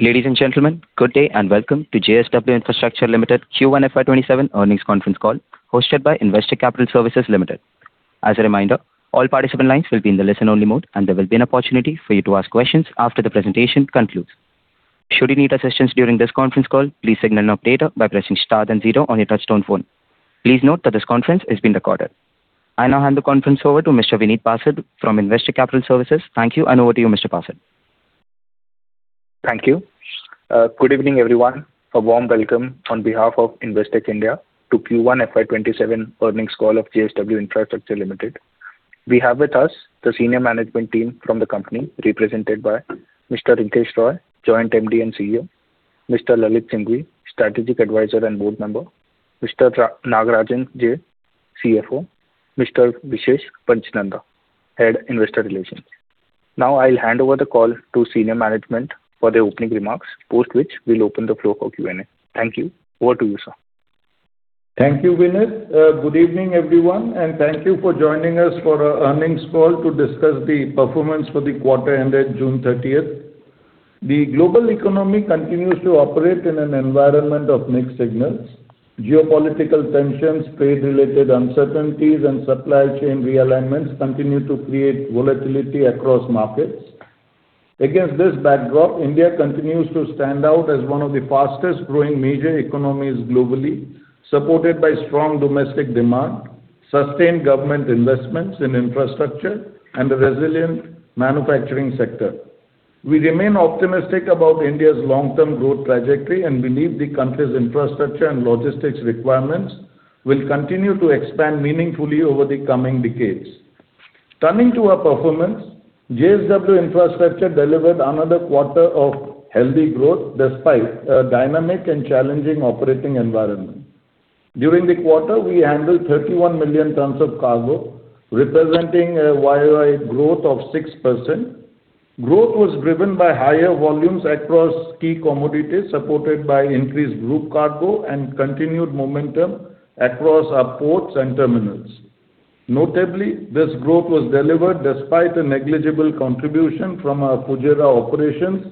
Ladies and gentlemen, good day and welcome to JSW Infrastructure Limited Q1 FY 2027 earnings conference call hosted by Investec Capital Services Limited. As a reminder, all participant lines will be in the listen-only mode, and there will be an opportunity for you to ask questions after the presentation concludes. Should you need assistance during this conference call, please signal an operator by pressing star then zero on your touch-tone phone. Please note that this conference is being recorded. I now hand the conference over to Mr. Vineet Prasad from Investec Capital Services. Thank you, and over to you, Mr. Prasad. Thank you. Good evening, everyone. A warm welcome on behalf of Investec India to Q1 FY 2027 earnings call of JSW Infrastructure Limited. We have with us the senior management team from the company represented by Mr. Rinkesh Roy, Joint MD and CEO. Mr. Lalit Singhvi, Strategic Advisor and Board Member. Mr. Nagarajan J., CFO. Mr. Vishesh Pachnanda, Head, Investor Relations. Now I'll hand over the call to senior management for the opening remarks, post which we'll open the floor for Q&A. Thank you. Over to you, sir. Thank you, Vineet. Good evening, everyone, and thank you for joining us for our earnings call to discuss the performance for the quarter ended June 30th. The global economy continues to operate in an environment of mixed signals. Geopolitical tensions, trade-related uncertainties, and supply chain realignments continue to create volatility across markets. Against this backdrop, India continues to stand out as one of the fastest-growing major economies globally, supported by strong domestic demand, sustained government investments in infrastructure, and a resilient manufacturing sector. We remain optimistic about India's long-term growth trajectory and believe the country's infrastructure and logistics requirements will continue to expand meaningfully over the coming decades. Turning to our performance, JSW Infrastructure delivered another quarter of healthy growth despite a dynamic and challenging operating environment. During the quarter, we handled 31 million tonnes of cargo, representing a year-on-year growth of 6%. Growth was driven by higher volumes across key commodities, supported by increased group cargo and continued momentum across our ports and terminals. Notably, this growth was delivered despite a negligible contribution from our Fujairah operations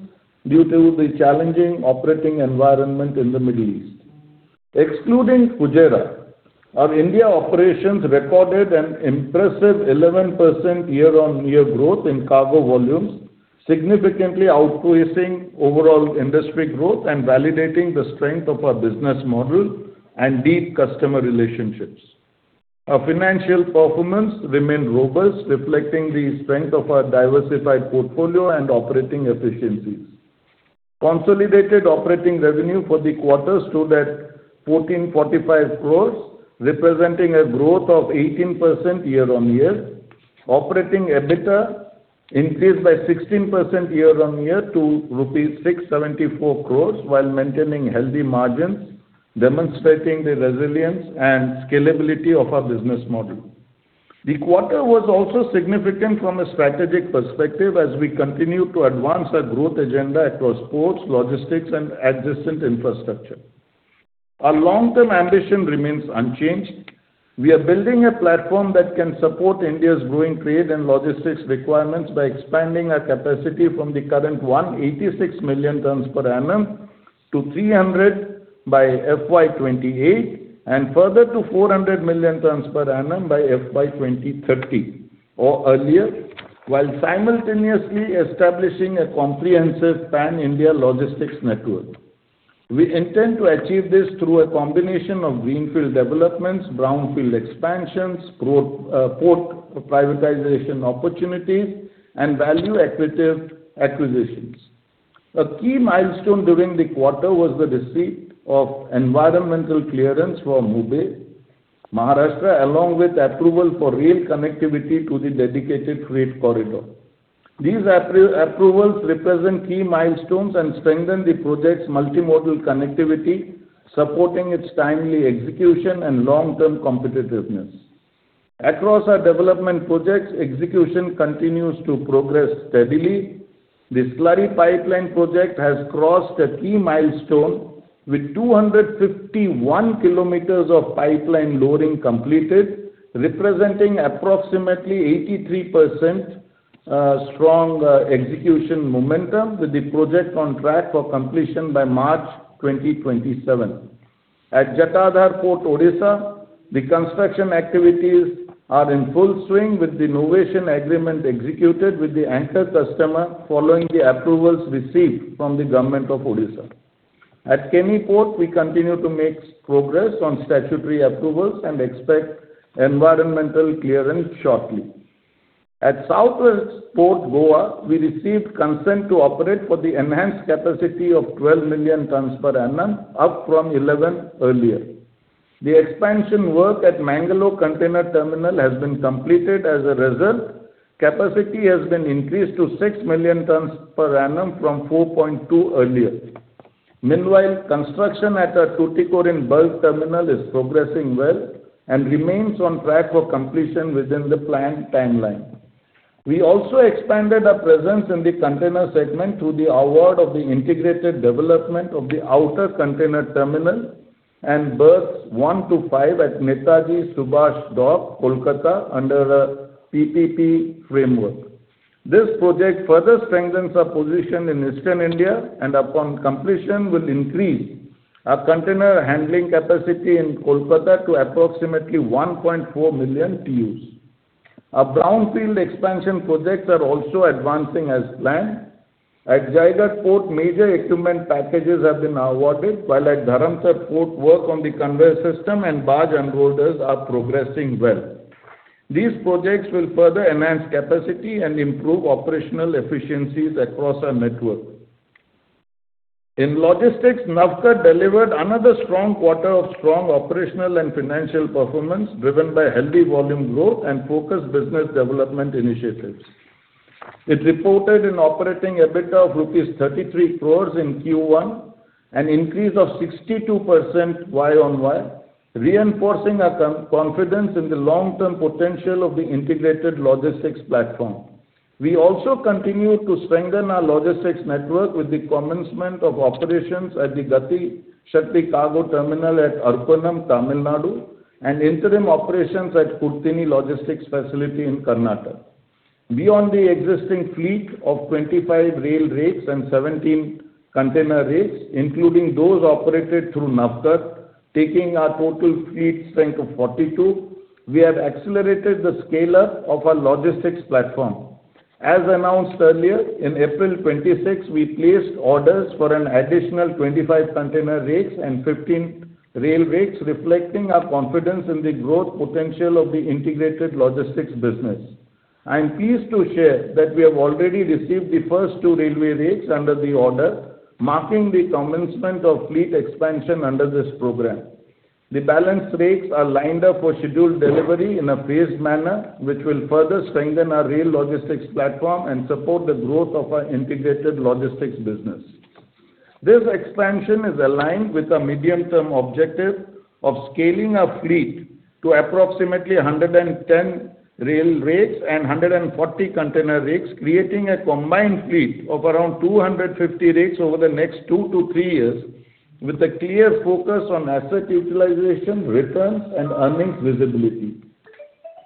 due to the challenging operating environment in the Middle East. Excluding Fujairah, our India operations recorded an impressive 11% year-on-year growth in cargo volumes, significantly outpacing overall industry growth and validating the strength of our business model and deep customer relationships. Our financial performance remained robust, reflecting the strength of our diversified portfolio and operating efficiencies. Consolidated operating revenue for the quarter stood at 1,445 crores, representing a growth of 18% year-on-year. Operating EBITDA increased by 16% year-on-year to rupees 674 crores while maintaining healthy margins, demonstrating the resilience and scalability of our business model. The quarter was also significant from a strategic perspective as we continue to advance our growth agenda across ports, logistics, and adjacent infrastructure. Our long-term ambition remains unchanged. We are building a platform that can support India's growing trade and logistics requirements by expanding our capacity from the current 186 million tonnes per annum to 300 million tonnes by FY 2028 and further to 400 million tonnes per annum by FY 2030 or earlier, while simultaneously establishing a comprehensive pan-India logistics network. We intend to achieve this through a combination of greenfield developments, brownfield expansions, port privatization opportunities, and value acquisitions. A key milestone during the quarter was the receipt of environmental clearance for Murbe, Maharashtra, along with approval for rail connectivity to the Dedicated Freight Corridor. These approvals represent key milestones and strengthen the project's multimodal connectivity, supporting its timely execution and long-term competitiveness. Across our development projects, execution continues to progress steadily. The slurry pipeline project has crossed a key milestone with 251 kilometers of pipeline laid completed, representing approximately 83% strong execution momentum with the project on track for completion by March 2027. At Jatadhar Port, Odisha, the construction activities are in full swing with the novation agreement executed with the anchor customer following the approvals received from the government of Odisha. At Keni Port, we continue to make progress on statutory approvals and expect environmental clearance shortly. At South West Port Goa, we received consent to operate for the enhanced capacity of 12 million tonnes per annum, up from 11 earlier. The expansion work at Mangalore Container Terminal has been completed. As a result, capacity has been increased to 6 million tonnes per annum from 4.2 million tonnes earlier. Meanwhile, construction at our Tuticorin bulk terminal is progressing well and remains on track for completion within the planned timeline. We also expanded our presence in the container segment through the award of the integrated development of the outer container terminal and Berths 1 to 5 at Netaji Subhash Dock, Kolkata under a PPP framework. This project further strengthens our position in Eastern India, and upon completion will increase our container handling capacity in Kolkata to approximately 1.4 million TEUs. Our brownfield expansion projects are also advancing as planned. At Jaigarh Port, major equipment packages have been awarded, while at Dharamtar Port, work on the conveyor system and barge unloaders are progressing well. These projects will further enhance capacity and improve operational efficiencies across our network. In logistics, Navkar delivered another strong quarter of strong operational and financial performance, driven by healthy volume growth and focused business development initiatives. It reported an operating EBITDA of 33 crore rupees in Q1, an increase of 62% YoY, reinforcing our confidence in the long-term potential of the integrated logistics platform. We also continue to strengthen our logistics network with the commencement of operations at the Gati Shakti Cargo Terminal at Aruppukkottai, Tamil Nadu, and interim operations at Kudathini Logistics Facility in Karnataka. Beyond the existing fleet of 25 rail rakes and 17 container rakes, including those operated through Navkar, taking our total fleet strength of 42, we have accelerated the scale-up of our logistics platform. As announced earlier, in April 2026, we placed orders for an additional 25 container rakes and 15 rail rakes, reflecting our confidence in the growth potential of the integrated logistics business. I am pleased to share that we have already received the first two railway rakes under the order, marking the commencement of fleet expansion under this program. The balance rakes are lined up for scheduled delivery in a phased manner, which will further strengthen our rail logistics platform and support the growth of our integrated logistics business. This expansion is aligned with our medium-term objective of scaling our fleet to approximately 110 rail rakes and 140 container rakes, creating a combined fleet of around 250 rakes over the next two to three years, with a clear focus on asset utilization, returns, and earnings visibility.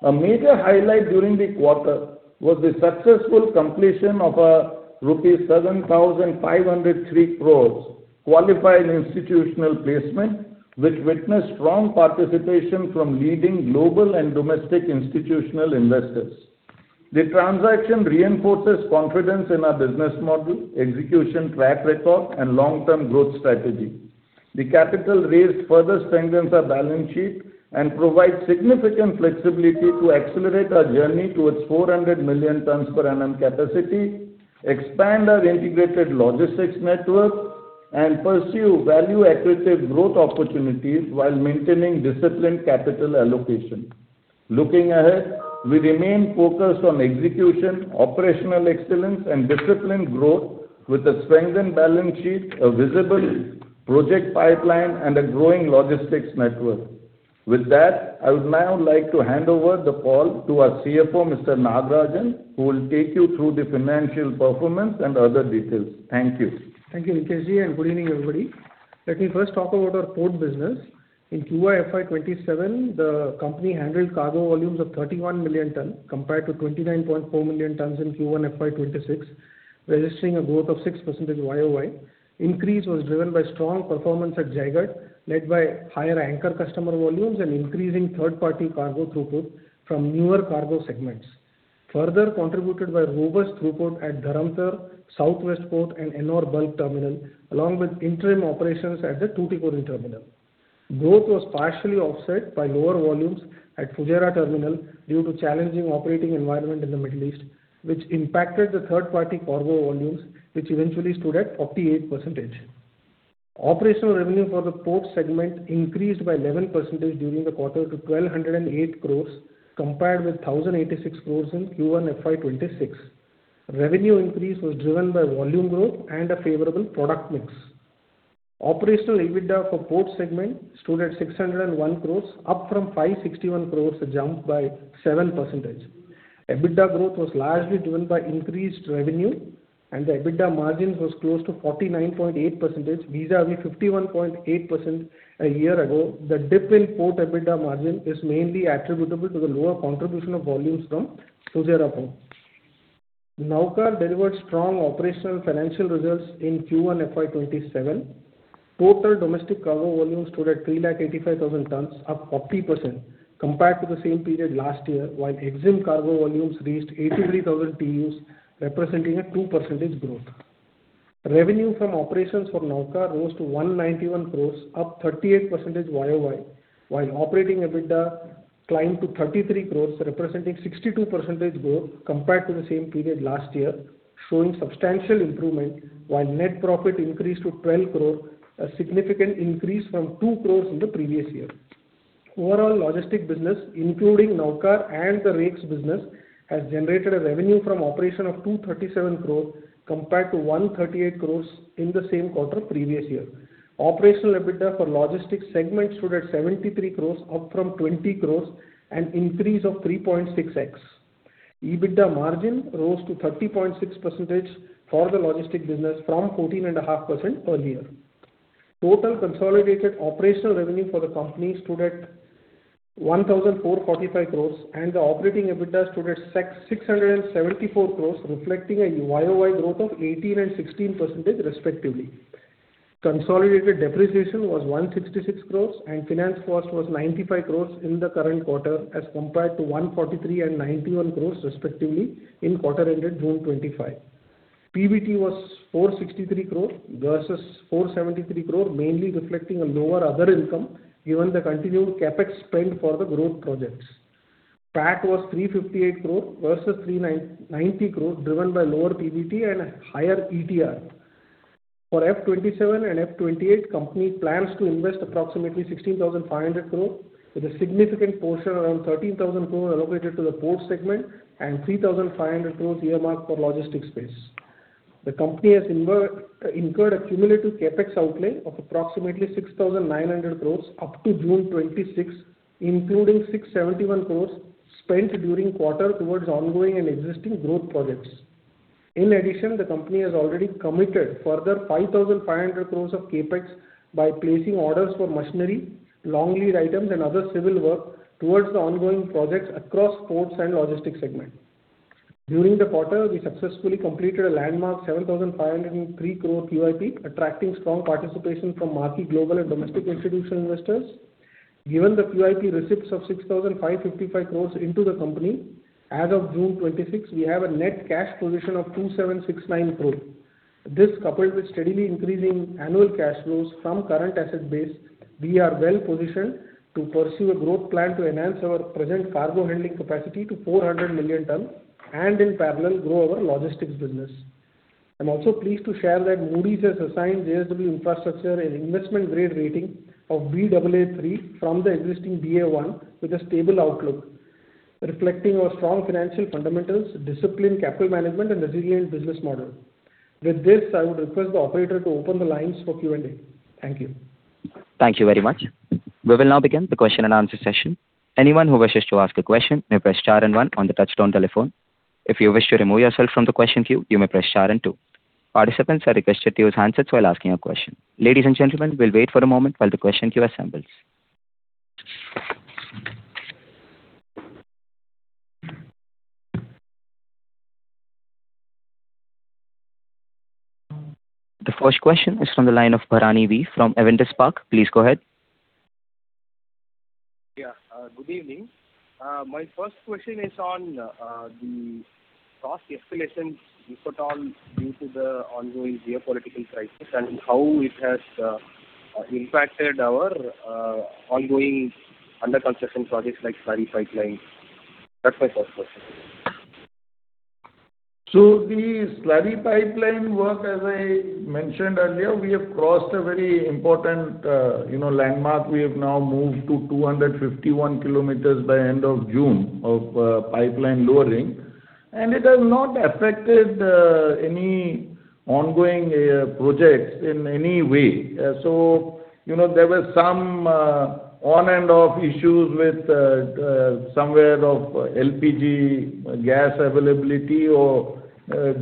A major highlight during the quarter was the successful completion of our rupees 7,503 crores qualified institutional placement, which witnessed strong participation from leading global and domestic institutional investors. The transaction reinforces confidence in our business model, execution track record, and long-term growth strategy. The capital raised further strengthens our balance sheet and provides significant flexibility to accelerate our journey towards 400 million tonnes per annum capacity, expand our integrated logistics network, and pursue value accretive growth opportunities while maintaining disciplined capital allocation. Looking ahead, we remain focused on execution, operational excellence, and disciplined growth with a strengthened balance sheet, a visible project pipeline, and a growing logistics network. With that, I would now like to hand over the call to our CFO, Mr. Nagarajan, who will take you through the financial performance and other details. Thank you. Thank you, Rinkeshi, and good evening, everybody. Let me first talk about our port business. In Q1 FY 2027, the company handled cargo volumes of 31 million tonnes compared to 29.4 million tonnes in Q1 FY 2026, registering a growth of 6% YoY. Increase was driven by strong performance at Jaigarh, led by higher anchor customer volumes and increasing third-party cargo throughput from newer cargo segments. Further contributed by robust throughput at Dharamtar, South West Port, and Ennore Bulk Terminal, along with interim operations at the Tuticorin Terminal. Growth was partially offset by lower volumes at Fujairah Terminal due to challenging operating environment in the Middle East, which impacted the third-party cargo volumes, which eventually stood at 48%. Operational revenue for the port segment increased by 11% during the quarter to 1,208 crores, compared with 1,086 crores in Q1 FY 2026. Revenue increase was driven by volume growth and a favorable product mix. Operational EBITDA for port segment stood at 601 crores, up from 561 crores, a jump by 7%. EBITDA growth was largely driven by increased revenue, and the EBITDA margin was close to 49.8% vis-à-vis 51.8% a year ago. The dip in port EBITDA margin is mainly attributable to the lower contribution of volumes from Fujairah Port. Navkar delivered strong operational financial results in Q1 FY 2027. Total domestic cargo volumes stood at 385,000 tonnes, up 40% compared to the same period last year, while exim cargo volumes reached 83,000 TEUs, representing a 2% growth. Revenue from operations for Navkar rose to 191 crores, up 38% YoY, while operating EBITDA climbed to 33 crores, representing 62% growth compared to the same period last year, showing substantial improvement, while net profit increased to 12 crore, a significant increase from 2 crores in the previous year. Overall logistics business, including Navkar and the rakes business, has generated a revenue from operation of 237 crore compared to 138 crore in the same quarter previous year. Operational EBITDA for logistics segment stood at 73 crore, up from 20 crore, an increase of 3.6x. EBITDA margin rose to 30.6% for the logistics business from 14.5% earlier. Total consolidated operational revenue for the company stood at 1,445 crore, and the operating EBITDA stood at 674 crore, reflecting a YoY growth of 18% and 16%, respectively. Consolidated depreciation was 166 crore, and finance cost was 95 crore in the current quarter as compared to 143 crore and 91 crore, respectively, in quarter ended June 2025. PBT was 463 crore versus 473 crore, mainly reflecting a lower other income given the continued CapEx spend for the growth projects. PAT was 358 crore versus 390 crore, driven by lower PBT and higher ETR. For FY 2027 and FY 2028, company plans to invest approximately 16,500 crore, with a significant portion around 13,000 crore allocated to the port segment and 3,500 crore earmarked for logistics space. The company has incurred a cumulative CapEx outlay of approximately 6,900 crore up to June 2026, including 671 crore spent during quarter towards ongoing and existing growth projects. In addition, the company has already committed further 5,500 crore of CapEx by placing orders for machinery, long-lead items and other civil work towards the ongoing projects across ports and logistics segment. During the quarter, we successfully completed a landmark 7,503 crore QIP, attracting strong participation from marquee global and domestic institutional investors. Given the QIP receipts of 6,555 crore into the company, as of June 2026, we have a net cash position of 2,769 crore. This, coupled with steadily increasing annual cash flows from current asset base, we are well positioned to pursue a growth plan to enhance our present cargo handling capacity to 400 million tonnes and in parallel grow our logistics business. I am also pleased to share that Moody's has assigned JSW Infrastructure an investment grade rating of Baa3 from the existing Ba1 with a stable outlook, reflecting our strong financial fundamentals, disciplined capital management, and resilient business model. With this, I would request the operator to open the lines for Q&A. Thank you. Thank you very much. We will now begin the question-and-answer session. Anyone who wishes to ask a question may press star one on the touchtone telephone. If you wish to remove yourself from the question queue, you may press star two. Participants are requested to use handsets while asking a question. Ladies and gentlemen, we will wait for a moment while the question queue assembles. The first question is from the line of Bharani V from Avendus Spark. Please go ahead. Yeah. Good evening. My first question is on the cost escalations you put on due to the ongoing geopolitical crisis and how it has impacted our ongoing under construction projects like slurry pipeline. That's my first question. The slurry pipeline work, as I mentioned earlier, we have crossed a very important landmark. We have now moved to 251 km by end of June of pipeline lowering, and it has not affected any ongoing projects in any way. There were some on and off issues with somewhere of LPG gas availability or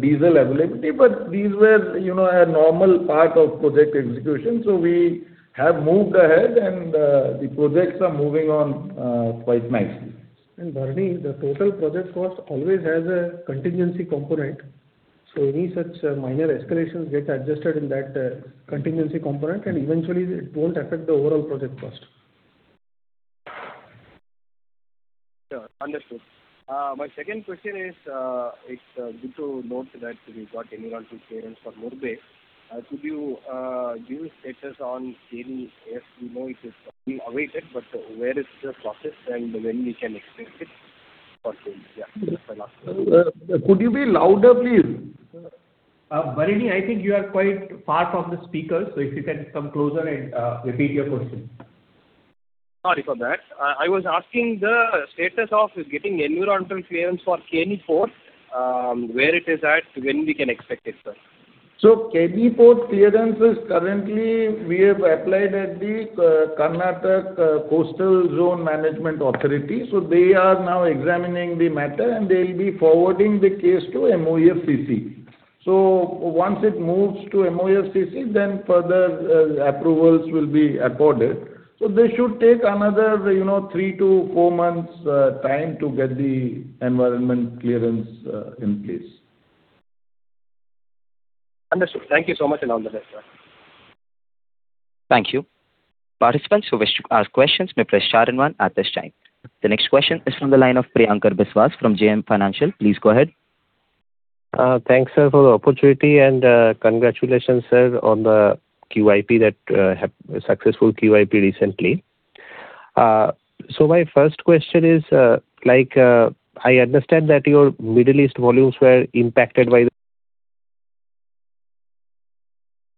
diesel availability, these were a normal part of project execution. We have moved ahead and the projects are moving on quite nicely. Bharani, the total project cost always has a contingency component, any such minor escalations get adjusted in that contingency component, eventually it won't affect the overall project cost. Sure. Understood. My second question is, it's good to note that we got environmental clearance for Murbe. Could you give status on Keni Port? We know it is being awaited, where is the process and when we can expect it? That's my last question. Could you be louder, please? Bharani, I think you are quite far from the speaker, if you can come closer and repeat your question. Sorry for that. I was asking the status of getting Environmental Clearance for Keni Port, where it is at, when we can expect it, sir. Keni Port clearance is currently, we have applied at the Karnataka Coastal Zone Management Authority. They are now examining the matter and they'll be forwarding the case to MOEFCC. Once it moves to MOEFCC, then further approvals will be afforded. They should take another three to four months time to get the Environmental Clearance in place. Understood. Thank you so much and all the best, sir. Thank you. Participants who wish to ask questions may press star one at this time. The next question is from the line of Priyankar Biswas from JM Financial. Please go ahead. Thanks, sir, for the opportunity and congratulations, sir, on the successful QIP recently. My first question is, I understand that your Middle East volumes were impacted by the-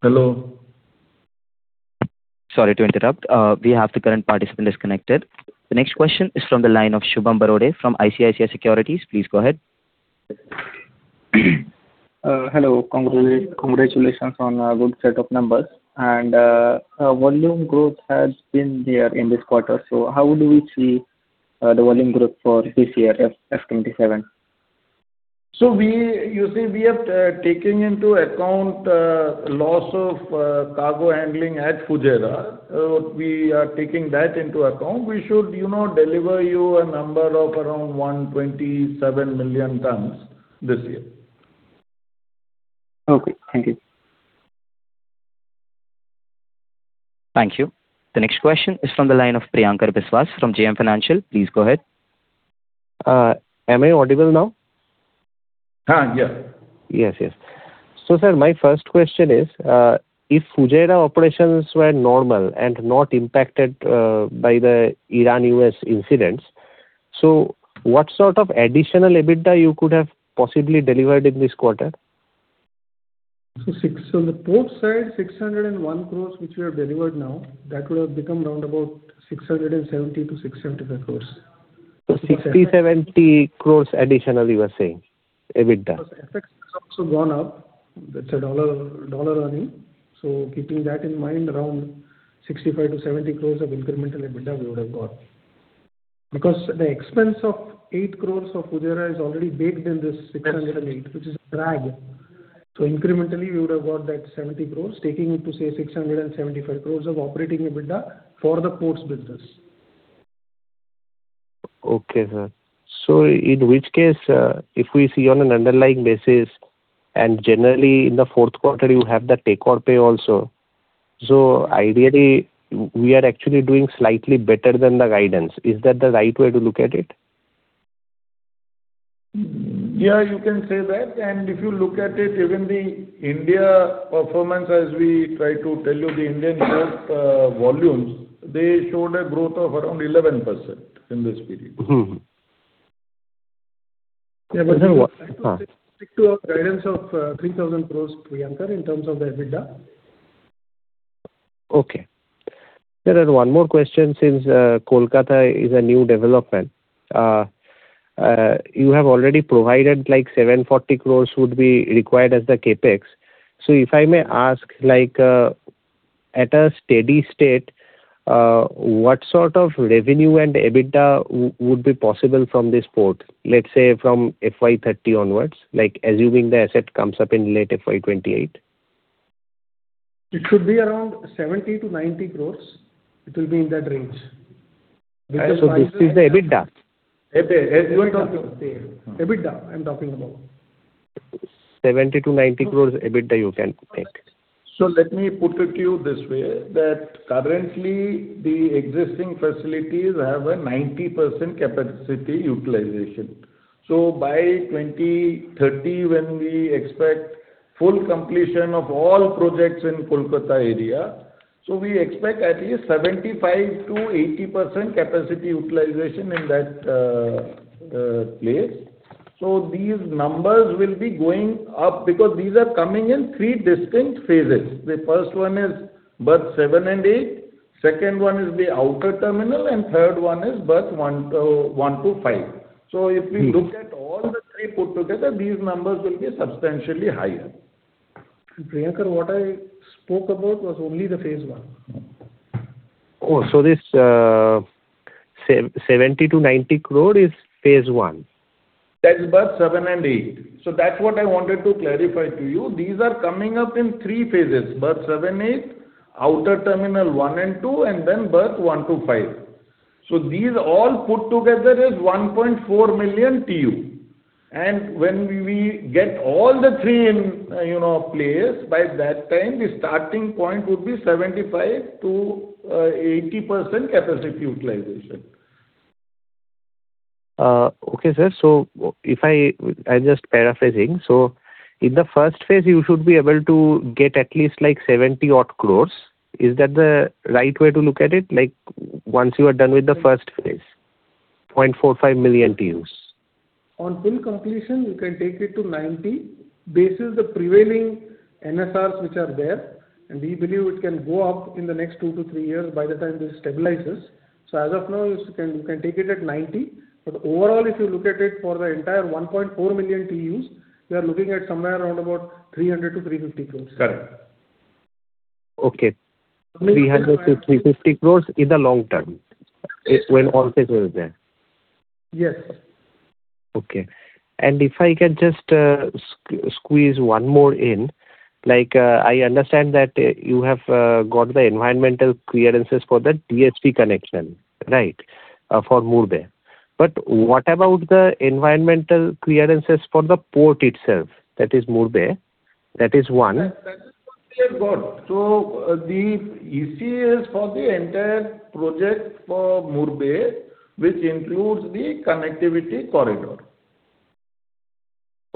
Hello. Sorry to interrupt. We have the current participant disconnected. The next question is from the line of Shubham Barode from ICICI Securities. Please go ahead. Hello. Congratulations on a good set of numbers. Volume growth has been there in this quarter. How do we see the volume growth for this year, FY 2027? You see, we are taking into account loss of cargo handling at Fujairah. We are taking that into account. We should deliver you a number of around 127 million tonnes this year. Okay. Thank you. Thank you. The next question is from the line of Priyankar Biswas from JM Financial. Please go ahead. Am I audible now? Yes. Yes. Sir, my first question is, if Fujairah operations were normal and not impacted by the Iran-US incidents, what sort of additional EBITDA you could have possibly delivered in this quarter? The port side, 601 crores, which we have delivered now, that would have become around about 670 crores-675 crores. 670 crores additional you are saying, EBITDA? FX has also gone up. That's a dollar earning. Keeping that in mind, around 65 crores-70 crores of incremental EBITDA we would have got. The expense of eight crores of Fujairah is already baked in this 608, which is drag. Incrementally, we would have got that 70 crores taking it to, say, 675 crores of operating EBITDA for the ports business. Okay, sir. In which case, if we see on an underlying basis, generally in the fourth quarter, you have the take or pay also. Ideally, we are actually doing slightly better than the guidance. Is that the right way to look at it? Yes, you can say that. If you look at it, even the India performance as we try to tell you, the Indian growth volumes, they showed a growth of around 11% in this period. Yes. I think stick to our guidance of INR 3,000 crores, Priyankar, in terms of the EBITDA. Okay. Sir, one more question since Kolkata is a new development. You have already provided like 740 crore would be required as the CapEx. If I may ask, at a steady state, what sort of revenue and EBITDA would be possible from this port, let's say from FY 2030 onwards, assuming the asset comes up in late FY 2028? It should be around 70 crore-90 crore. It will be in that range. This is the EBITDA? EBITDA. EBITDA, I'm talking about. 70 crore-90 crore EBITDA you can take. Let me put it to you this way, that currently the existing facilities have a 90% capacity utilization. By 2030, when we expect full completion of all projects in Kolkata area, we expect at least 75%-80% capacity utilization in that place. These numbers will be going up because these are coming in three distinct phases. The first one is Berth 7 and 8, second one is the outer terminal, and third one is Berth 1 to 5. If we look at all the three put together, these numbers will be substantially higher. Priyankar, what I spoke about was only the Phase I. This 70 crore-90 crore is Phase I. That's Berth 7 and 8. That's what I wanted to clarify to you. These are coming up in three phases, Berth 7, 8, Outer Terminal 1 and 2, and then Berth 1 to 5. These all put together is 1.4 million TEU. When we get all the three in place, by that time, the starting point would be 75%-80% capacity utilization. Okay, sir. I'm just paraphrasing. In the first phase, you should be able to get at least like 70 odd crore. Is that the right way to look at it? Once you are done with the first phase, 0.45 million TEU. On full completion, you can take it to 90 crore, basis the prevailing NSR which are there. We believe it can go up in the next two to three years by the time this stabilizes. As of now, you can take it at 90 crore. Overall, if you look at it for the entire 1.4 million TEU, we are looking at somewhere around about 300 crore-350 crore. Correct. Okay. 300 crore-350 crore in the long term when all phases are there. Yes. Okay. If I can just squeeze one more in. I understand that you have got the Environmental Clearances for the DFC connection, right, for Murbe. What about the Environmental Clearances for the port itself? That is Murbe. That is one. That is what we have got. The EC for the entire project for Murbe, which includes the connectivity corridor.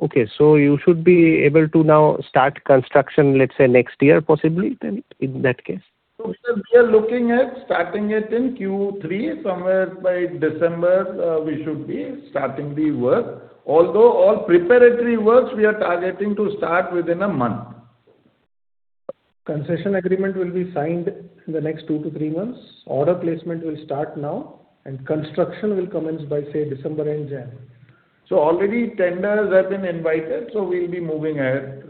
Okay. You should be able to now start construction, let's say, next year, possibly then, in that case? We are looking at starting it in Q3. Somewhere by December, we should be starting the work. Although all preparatory works we are targeting to start within a month. Concession agreement will be signed in the next two to three months. Order placement will start now. Construction will commence by, say, December end, January. Already tenders have been invited. We'll be moving ahead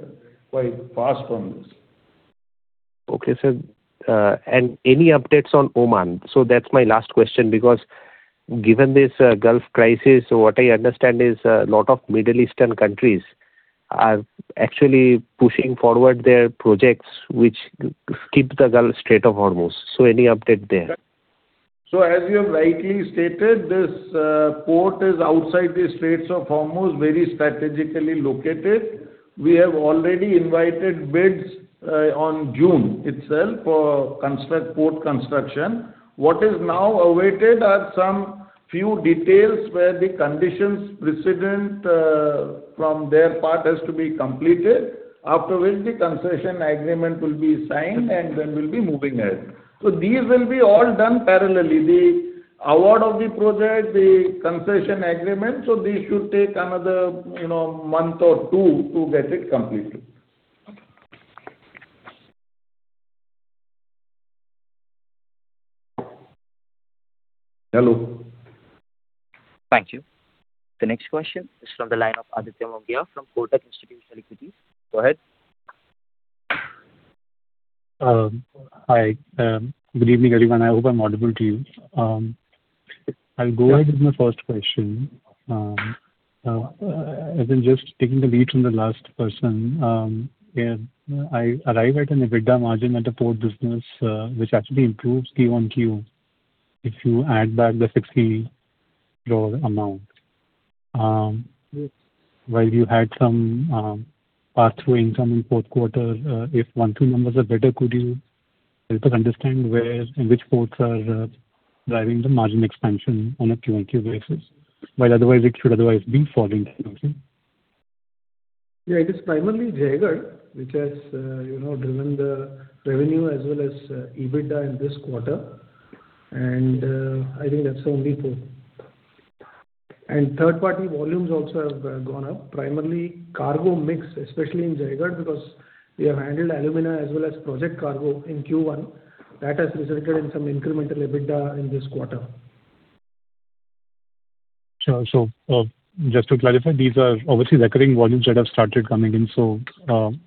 quite fast from this. Okay, sir. Any updates on Oman? That's my last question, because given this Gulf crisis, what I understand is a lot of Middle Eastern countries are actually pushing forward their projects, which skip the Gulf Strait of Hormuz. Any update there? As you have rightly stated, this port is outside the Straits of Hormuz, very strategically located. We have already invited bids on June itself for port construction. What is now awaited are some few details where the conditions precedent from their part has to be completed, after which the concession agreement will be signed. Then we'll be moving ahead. These will be all done parallelly. The award of the project, the concession agreement. This should take another month or two to get it completed. Okay. Hello? Thank you. The next question is from the line of Aditya Mongia from Kotak Institutional Equities. Go ahead. Hi. Good evening, everyone. I hope I'm audible to you. I'll go ahead with my first question. As in just taking the lead from the last person, I arrive at an EBITDA margin at the port business, which actually improves QoQ if you add back the 60 crore amount. Yes. While you had some pass-through income in port quarter, if one, two numbers are better, could you help us understand where and which ports are driving the margin expansion on a QoQ basis, while otherwise it should otherwise be falling down? Yeah, it is primarily Jaigarh, which has driven the revenue as well as EBITDA in this quarter. I think that's the only port. Third-party volumes also have gone up, primarily cargo mix, especially in Jaigarh, because we have handled alumina as well as project cargo in Q1. That has resulted in some incremental EBITDA in this quarter. Just to clarify, these are obviously recurring volumes that have started coming in,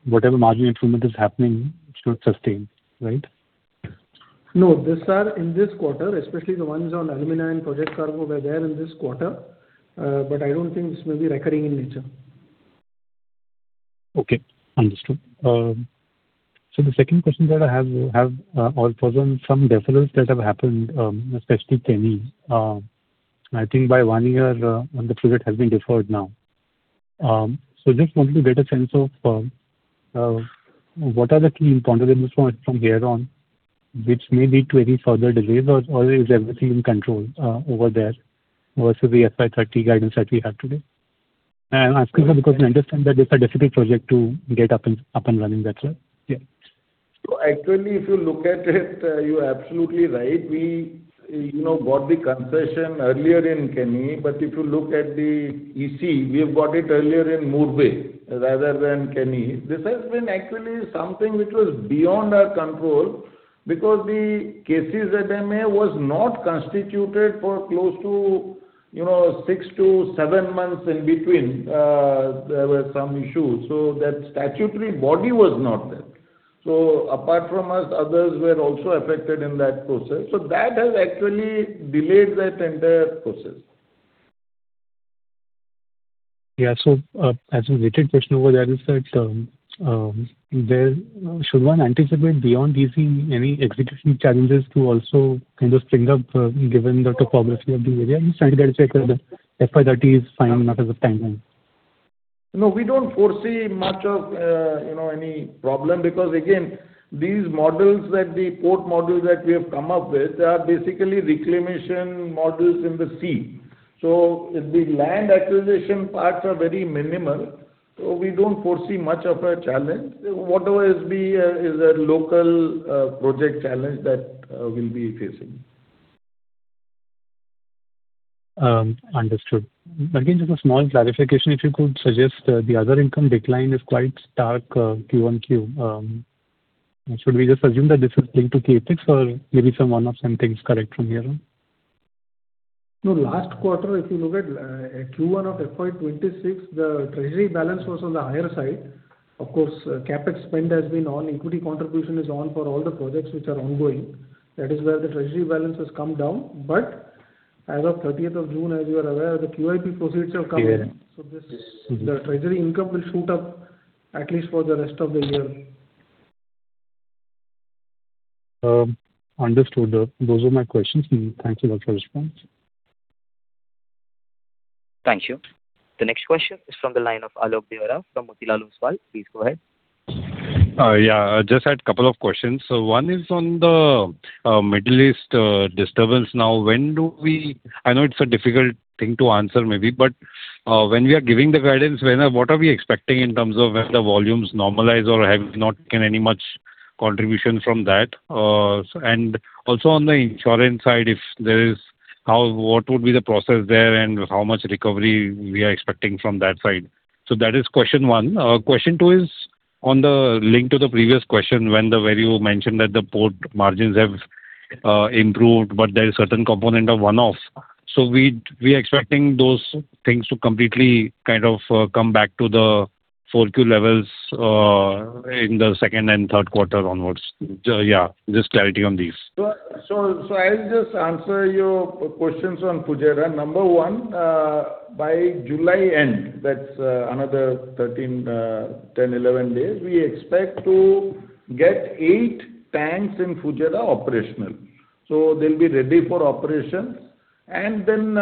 whatever margin improvement is happening should sustain, right? No. These are in this quarter, especially the ones on alumina and project cargo were there in this quarter. I don't think this may be recurring in nature. Okay, understood. The second question that I have are from some deferrals that have happened, especially Keni. I think by one year, and the project has been deferred now. Just wanted to get a sense of what are the key ponderables from here on, which may lead to any further delays, or is everything in control over there versus the FY 2030 guidance that we have today? I'm asking because we understand that it's a difficult project to get up and running better. Yeah. Actually, if you look at it, you're absolutely right. We got the concession earlier in Keni, but if you look at the EC, we have got it earlier in Murbe rather than Keni. This has been actually something which was beyond our control because the KCZMA was not constituted for close to six to seven months in between. There were some issues. That statutory body was not there. Apart from us, others were also affected in that process. That has actually delayed that entire process. Yeah. As a related question over there is that, should one anticipate beyond these any execution challenges to also kind of spring up given the topography of the area? I'm trying to get a check that FY 2030 is fine as of time being. No, we don't foresee much of any problem because again, these models that the port models that we have come up with are basically reclamation models in the sea. The land acquisition parts are very minimal, so we don't foresee much of a challenge. Whatever is the local project challenge that we'll be facing. Understood. Again, just a small clarification, if you could suggest the other income decline is quite stark QoQ. Should we just assume that this is linked to CapEx or maybe some one-off something is correct from here on? No, last quarter, if you look at Q1 of FY 2026, the treasury balance was on the higher side. Of course, CapEx spend has been on, equity contribution is on for all the projects which are ongoing. That is where the treasury balance has come down. As of 30th of June, as you are aware, the QIP proceeds have come in. Yes. The treasury income will shoot up at least for the rest of the year. Understood. Those are my questions. Thank you both for your response. Thank you. The next question is from the line of Alok Deora from Motilal Oswal. Please go ahead. I just had couple of questions. One is on the Middle East disturbance now. I know it's a difficult thing to answer maybe, but when we are giving the guidance, what are we expecting in terms of when the volumes normalize or have not taken any much contribution from that? Also on the insurance side, if there is What would be the process there, and how much recovery we are expecting from that side? That is question one. Question two is on the link to the previous question where you mentioned that the port margins have improved, but there is a certain component of one-off. We are expecting those things to completely come back to the Q4 levels in the second and third quarter onwards. Just clarity on these. I'll just answer your questions on Fujairah. Number one, by July end, that's another 13, 10, 11 days, we expect to get eight tanks in Fujairah operational. They'll be ready for operation. Then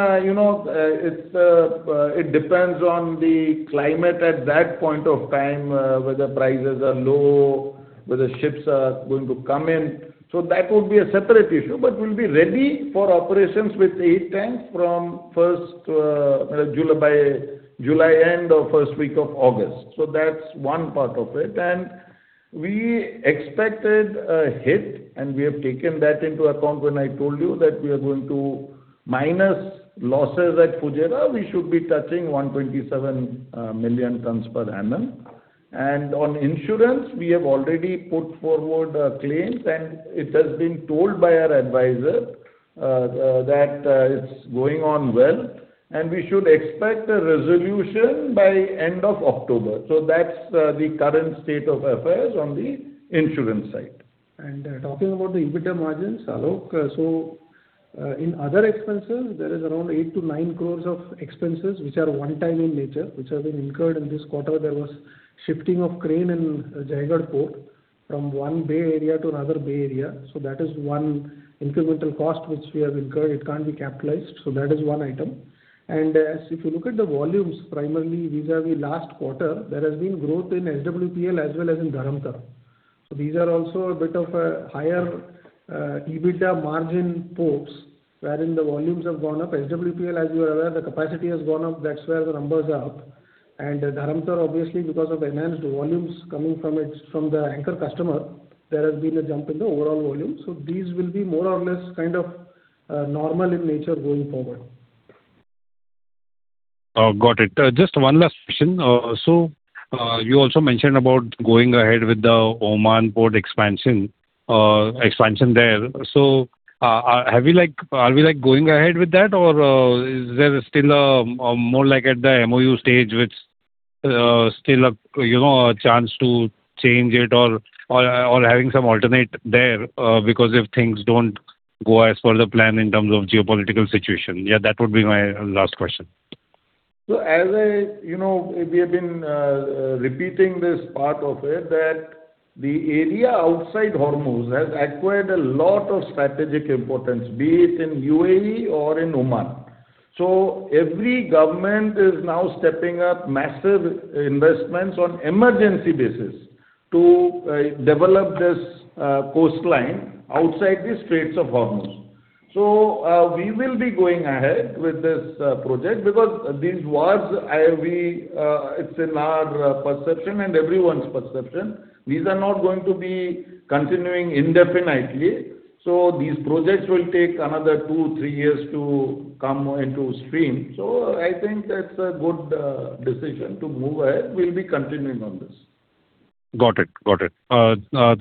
it depends on the climate at that point of time, whether prices are low, whether ships are going to come in. That would be a separate issue, but we'll be ready for operations with eight tanks by July end or first week of August. That's one part of it. We expected a hit, and we have taken that into account when I told you that we are going to minus losses at Fujairah. We should be touching 127 million tonnes per annum. On insurance, we have already put forward claims, it has been told by our advisor that it's going on well, we should expect a resolution by end of October. That's the current state of affairs on the insurance side. Talking about the EBITDA margins, Alok. In other expenses, there is around 8 crores-9 crores of expenses, which are one-time in nature, which have been incurred in this quarter. There was shifting of crane in Jaigarh Port from one bay area to another bay area. That is one incremental cost which we have incurred. It can't be capitalized. That is one item. If you look at the volumes, primarily vis-a-vis last quarter, there has been growth in SWPL as well as in Dharamtar. These are also a bit of a higher EBITDA margin ports wherein the volumes have gone up. SWPL, as you are aware, the capacity has gone up. That's where the numbers are up. Dharamtar, obviously because of enhanced volumes coming from the anchor customer, there has been a jump in the overall volume. These will be more or less normal in nature going forward. Got it. Just one last question. You also mentioned about going ahead with the Oman port expansion there. Are we going ahead with that or is there still more at the MoU stage with still a chance to change it or having some alternate there because if things don't go as per the plan in terms of geopolitical situation? That would be my last question. We have been repeating this part of it, that the area outside Hormuz has acquired a lot of strategic importance, be it in U.A.E. or in Oman. Every government is now stepping up massive investments on emergency basis to develop this coastline outside the Straits of Hormuz. We will be going ahead with this project because these wars, it's in our perception and everyone's perception, these are not going to be continuing indefinitely. These projects will take another two, three years to come into stream. I think that's a good decision to move ahead. We'll be continuing on this. Got it.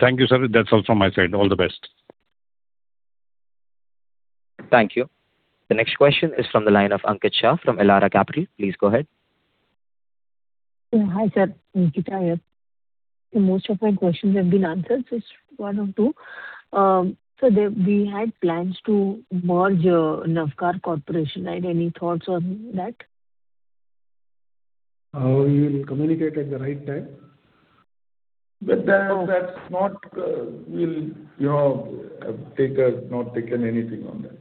Thank you, sir. That's all from my side. All the best. Thank you. The next question is from the line of Ankita Shah from Elara Capital. Please go ahead. Hi, sir, Ankita Shah here. Most of my questions have been answered. Just one or two. We had plans to merge Navkar Corporation, right? Any thoughts on that? We will communicate at the right time. We've not taken anything on that.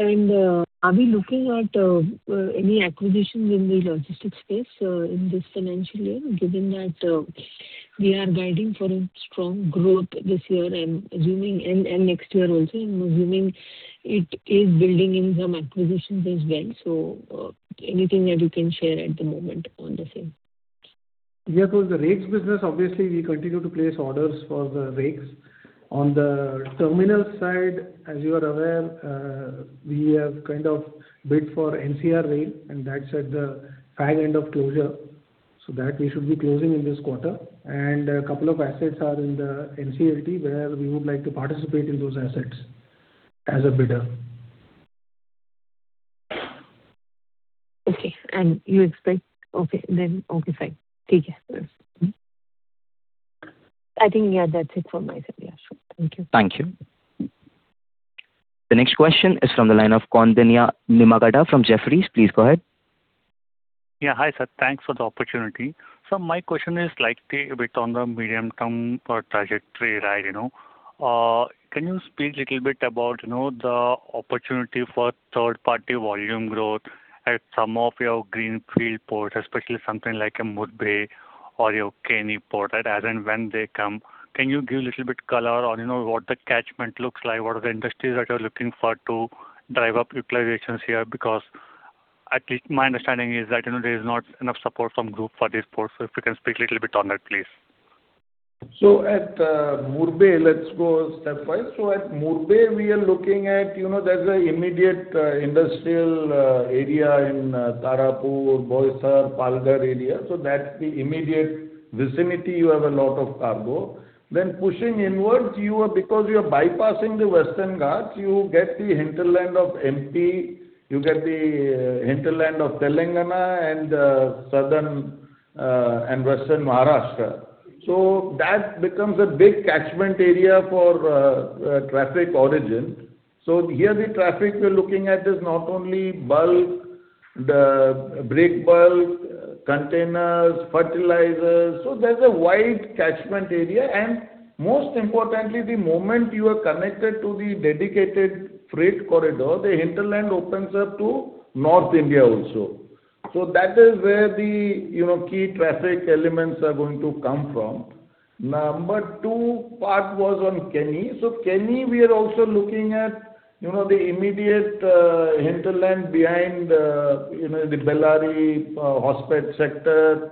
Are we looking at any acquisitions in the logistics space in this financial year, given that we are guiding for a strong growth this year and next year also, I'm assuming it is building in some acquisitions as well. Anything that you can share at the moment on the same? Yeah. The rails business, obviously, we continue to place orders for the rails. On the terminal side, as you are aware, we have bid for NCR rail, and that's at the fag end of closure. That we should be closing in this quarter. A couple of assets are in the NCLT where we would like to participate in those assets as a bidder. Okay. Okay, fine. I think that's it from my side. Thank you. Thank you. The next question is from the line of Koundinya Nimmagadda from Jefferies. Please go ahead. Hi, sir. Thanks for the opportunity. My question is likely a bit on the medium-term trajectory. Can you speak a little bit about the opportunity for third-party volume growth at some of your greenfield ports, especially something like a Murbe or your Keni Port as and when they come? Can you give a little bit color on what the catchment looks like? What are the industries that you're looking for to drive up utilizations here? Because my understanding is that there's not enough support from group for these ports. If you can speak a little bit on that, please. At Murbe, let's go stepwise. At Murbe, we are looking at, there's an immediate industrial area in Tarapur, Boisar, Palghar area. That's the immediate vicinity you have a lot of cargo. Pushing inwards, because you are bypassing the Western Ghats, you get the hinterland of MP, you get the hinterland of Telangana, and Southern and Western Maharashtra. That becomes a big catchment area for traffic origin. Here, the traffic we're looking at is not only bulk, the break bulk, containers, fertilizers. There's a wide catchment area. Most importantly, the moment you are connected to the Dedicated Freight Corridor, the hinterland opens up to North India also. That is where the key traffic elements are going to come from. Number two part was on Keni. Keni, we are also looking at the immediate hinterland behind the Bellary, Hospet sector.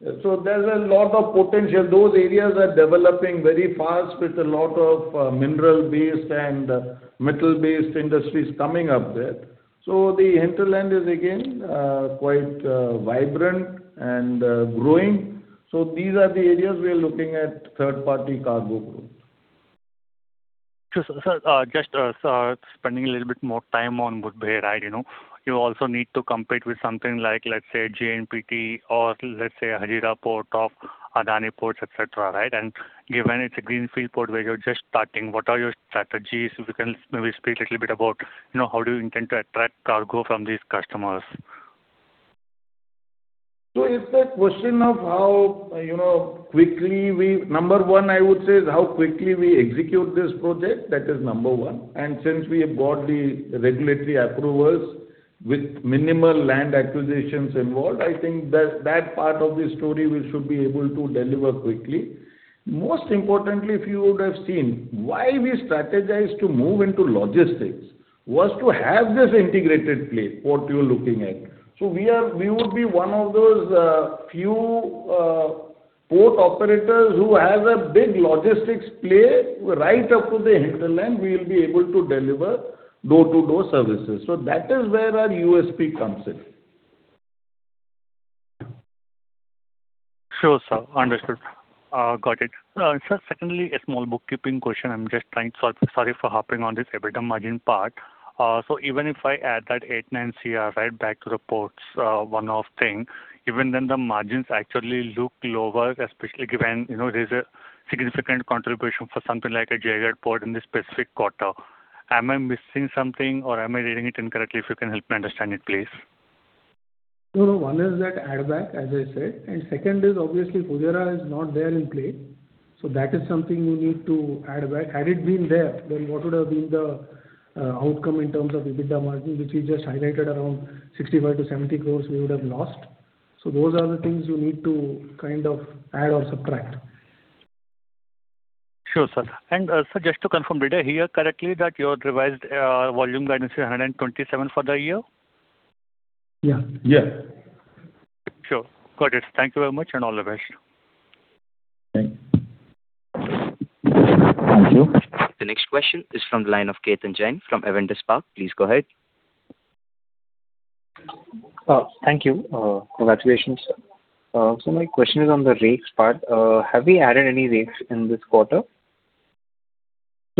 There's a lot of potential. Those areas are developing very fast with a lot of mineral-based and metal-based industries coming up there. The hinterland is again quite vibrant and growing. These are the areas we are looking at third-party cargo growth. Sure, sir. Just spending a little bit more time on Murbe, you also need to compete with something like, let's say, JNPT, or let's say Hazira Port of Adani Ports, et cetera. Given it's a greenfield port where you're just starting, what are your strategies? If you can maybe speak a little bit about how do you intend to attract cargo from these customers. It's a question of how quickly we number one I would say is how quickly we execute this project. That is number one. Since we have got the regulatory approvals with minimal land acquisitions involved, I think that part of the story we should be able to deliver quickly. Most importantly, if you would have seen, why we strategized to move into logistics was to have this integrated play, what you're looking at. We would be one of those few port operators who have a big logistics play right up to the hinterland. We'll be able to deliver door-to-door services. That is where our USP comes in. Sure, sir. Understood. Got it. Sir, secondly, a small bookkeeping question. I'm just trying. Sorry for harping on this EBITDA margin part. Even if I add that 8 crores-9 crores right back to the ports one-off thing, even then the margins actually look lower, especially given there's a significant contribution for something like a Jaigarh Port in this specific quarter. Am I missing something, or am I reading it incorrectly? If you can help me understand it, please. No, one is that add back, as I said. Second is, obviously, Fujairah is not there in play. That is something you need to add back. Had it been there, then what would have been the outcome in terms of EBITDA margin, which we just highlighted around 65 crore-70 crore we would have lost. Those are the things you need to add or subtract. Sure, sir. Sir, just to confirm, did I hear correctly that your revised volume guidance is 127 million tonnes for the year? Yeah. Yeah. Sure. Got it. Thank you very much. All the best. Thank you. Thank you. The next question is from the line of Ketan Jain from Avendus Spark. Please go ahead. Thank you. Congratulations. My question is on the rakes part. Have we added any rakes in this quarter?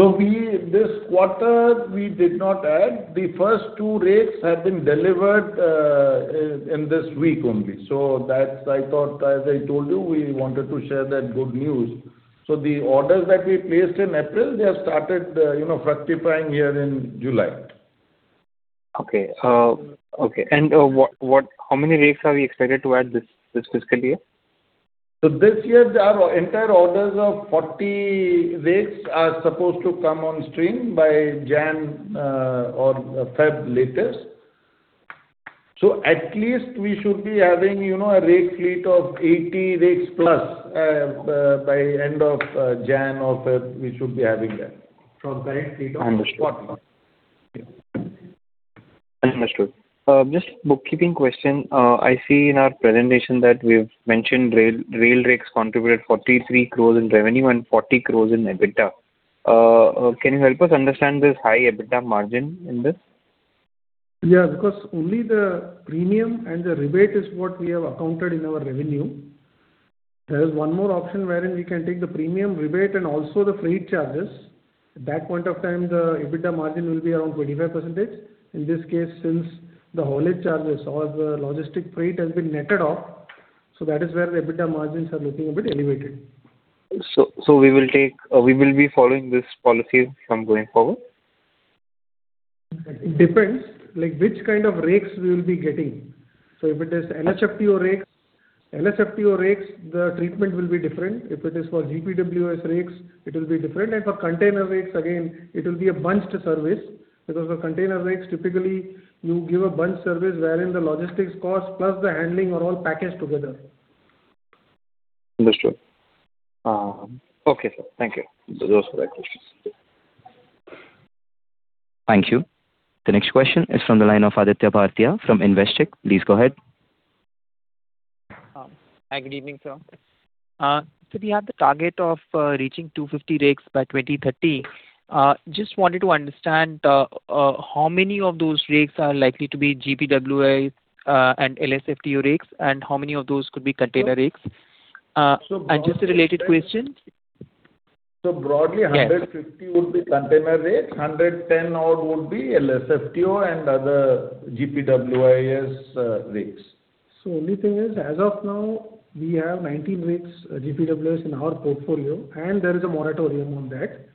This quarter, we did not add. The first two rakes have been delivered in this week only. That's I thought, as I told you, we wanted to share that good news. The orders that we placed in April, they have started fructifying here in July. Okay. How many rakes are we expected to add this fiscal year? This year, our entire orders of 40 rakes are supposed to come on stream by Jan or Feb latest. At least we should be having a rake fleet of 80 rakes plus by end of Jan or Feb, we should be having that. From current fleet of 40. Understood. Just a bookkeeping question. I see in our presentation that we've mentioned rail rakes contributed 43 crore in revenue and 40 crore in EBITDA. Can you help us understand this high EBITDA margin in this? Because only the premium and the rebate is what we have accounted in our revenue. There is one more option wherein we can take the premium rebate and also the freight charges. At that point of time, the EBITDA margin will be around 25%. In this case, since the haulage charges or the logistic freight has been netted off, that is where the EBITDA margins are looking a bit elevated. We will be following this policy from going forward? It depends, like which kind of rakes we will be getting. If it is NHFPO rakes, NFHPO rakes, the treatment will be different. If it is for GPWIS rakes, it will be different. For container rakes, again, it will be a bunched service. For container rakes, typically you give a bunch service wherein the logistics cost plus the handling are all packaged together. Understood. Okay, sir. Thank you. Those were my questions. Thank you. The next question is from the line of Aditya Bhartia from Investec. Please go ahead. Hi. Good evening, sir. Sir, we have the target of reaching 250 rakes by 2030. Just wanted to understand how many of those rakes are likely to be GPWIS and LSFTO rakes, and how many of those could be container rakes? Just a related question. Broadly, 150 would be container rakes, 110 odd would be LSFTU and other GPWIS rakes. Only thing is, as of now, we have 19 rakes, GPWIS in our portfolio, and there is a moratorium on that.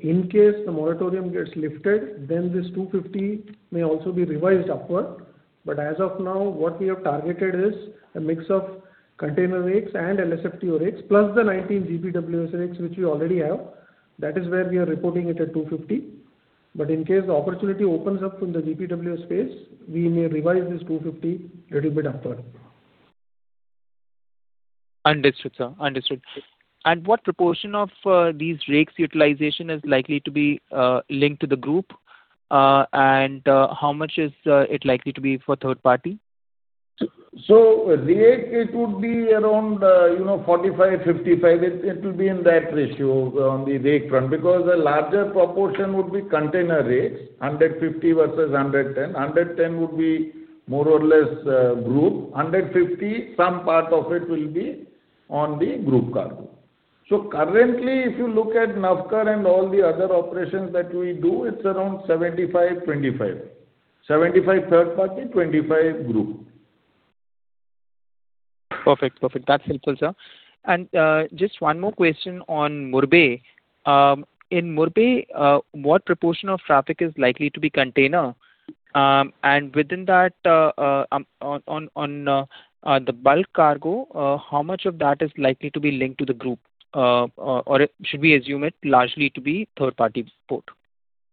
In case the moratorium gets lifted, then this 250 rakes may also be revised upward. As of now, what we have targeted is a mix of container rakes and LSFTU rakes, plus the 19 GPWIS rakes which we already have. That is where we are reporting it at 250 rakes. In case the opportunity opens up in the GPWIS segment, we may revise this 250 rakes a little bit upward. Understood, sir. What proportion of these rakes utilization is likely to be linked to the group? How much is it likely to be for third party? It would be around 45:55. It will be in that ratio on the rakes front, because the larger proportion would be container rakes, 150 versus 110. 110 would be more or less group, 150, some part of it will be on the group cargo. Currently, if you look at Navkar and all the other operations that we do, it's around 75:25. 75% third party, 25% group. Perfect. That's helpful, sir. Just one more question on Murbe. In Murbe, what proportion of traffic is likely to be container? Within that, on the bulk cargo, how much of that is likely to be linked to the group? Or should we assume it largely to be third party port?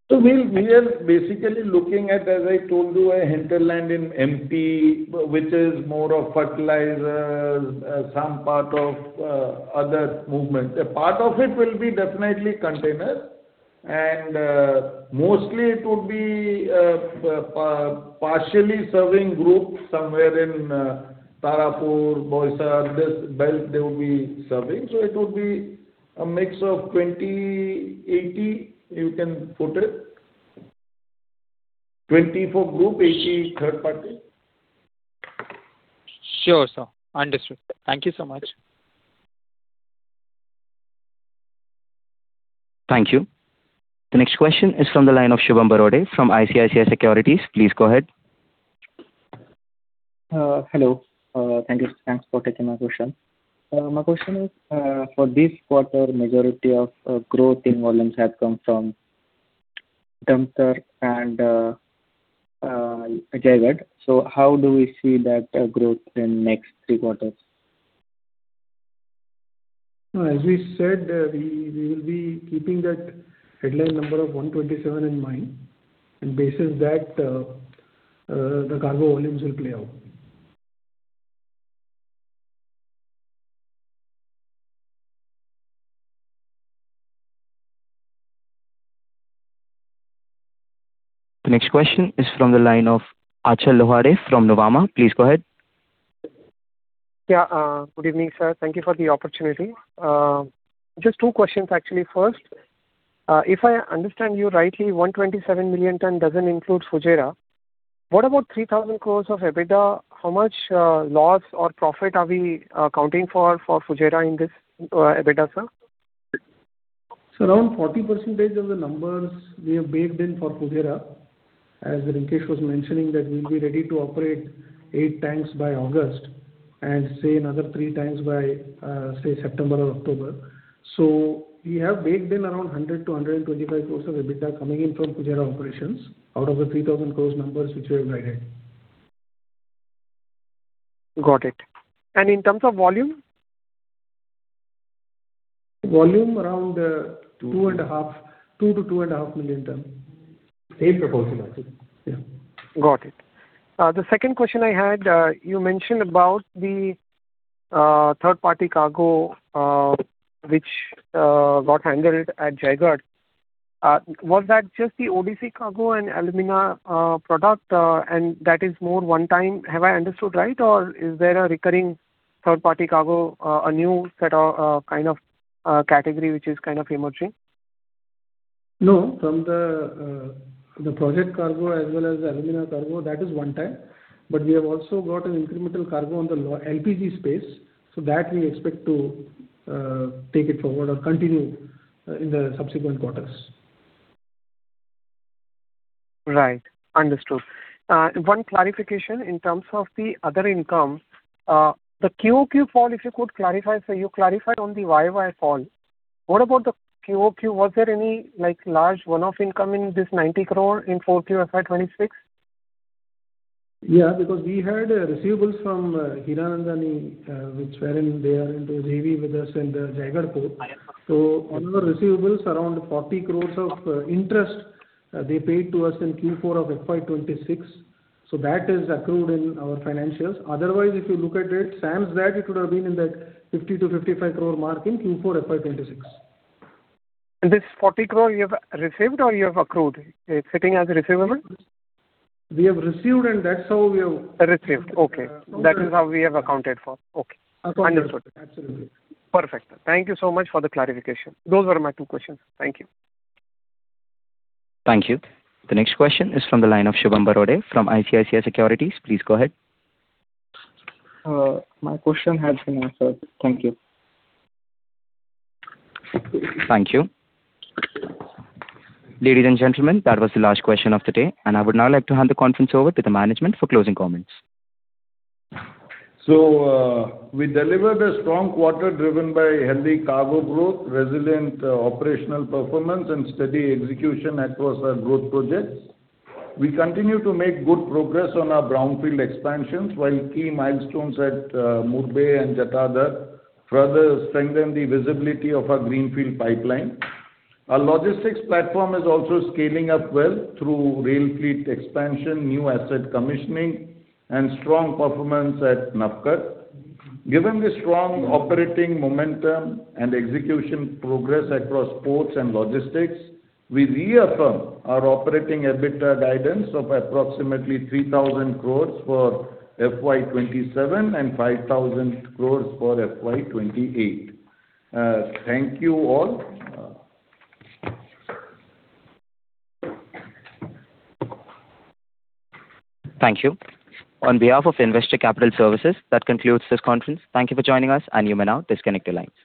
We are basically looking at, as I told you, a hinterland in MP, which is more of fertilizers, some part of other movements. A part of it will be definitely container, and mostly it would be partially serving group somewhere in Tarapur, Boisar, this belt they will be serving. It would be a mix of 20:80, you can put it. 20% for group, 80% third party. Sure, sir. Understood. Thank you so much. Thank you. The next question is from the line of Shubham Barode from ICICI Securities. Please go ahead. Hello. Thanks for taking my question. My question is, for this quarter, majority of growth in volumes have come from Dharamtar and Jaigarh. How do we see that growth in next three quarters? As we said, we will be keeping that headline number of 127 million tonnes in mind, bases that, the cargo volumes will play out. The next question is from the line of Achal Lohade from Nuvama. Please go ahead. Yeah. Good evening, sir. Thank you for the opportunity. Just two questions, actually. First, if I understand you rightly, 127 million tonnes doesn't include Fujairah. What about 3,000 crores of EBITDA? How much loss or profit are we accounting for Fujairah in this EBITDA, sir? Around 40% of the numbers we have baked in for Fujairah, as Rinkesh was mentioning that we'll be ready to operate eight tanks by August, and say another three tanks by, say, September or October. We have baked in around 100 crores-125 crores of EBITDA coming in from Fujairah operations, out of the 3,000 crores numbers which we have guided. Got it. In terms of volume? Volume, around 2-2.5 million tonnes. Same proportion, I think. Yeah. Got it. The second question I had, you mentioned about the third-party cargo which got handled at Jaigarh. Was that just the ODC cargo and alumina product, and that is more one-time? Have I understood right, or is there a recurring third-party cargo, a new set of category which is emerging? From the project cargo as well as the alumina cargo, that is one-time. We have also got an incremental cargo on the LPG space. That we expect to take it forward or continue in the subsequent quarters. Right. Understood. One clarification in terms of the other income. The QoQ fall, if you could clarify, sir. You clarified on the YoY fall. What about the QoQ? Was there any large one-off income in this 90 crore in 4Q FY 2026? Because we had receivables from Hiranandani, which were. They are into JV with us in the Jaigarh Port. On the receivables, around 40 crore of interest they paid to us in Q4 FY 2026. That is accrued in our financials. If you look at it, sans that, it would have been in that 50 crore-55 crore mark in Q4 FY 2026. This 40 crore you have received or you have accrued? It's sitting as a receivable? We have received. Received. Okay. That is how we have accounted for. Okay. Understood. Absolutely. Perfect. Thank you so much for the clarification. Those were my two questions. Thank you. Thank you. The next question is from the line of Shubham Barode from ICICI Securities. Please go ahead. My question has been answered. Thank you. Thank you. Ladies and gentlemen, that was the last question of the day. I would now like to hand the conference over to the management for closing comments. We delivered a strong quarter driven by healthy cargo growth, resilient operational performance, and steady execution across our growth projects. We continue to make good progress on our brownfield expansions, while key milestones at Murbe and Jatadhar further strengthen the visibility of our greenfield pipeline. Our logistics platform is also scaling up well through rail fleet expansion, new asset commissioning, and strong performance at Navkar. Given the strong operating momentum and execution progress across ports and logistics, we reaffirm our operating EBITDA guidance of approximately 3,000 crore for FY 2027 and 5,000 crore for FY 2028. Thank you all. Thank you. On behalf of Investec Capital Services, that concludes this conference. Thank you for joining us. You may now disconnect your lines.